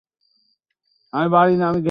কিছুই বলার নেই?